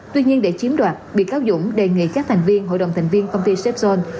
tuy nhiên để chiếm đoạt bị cáo dũng đề nghị các thành viên hội đồng thành viên công ty sepson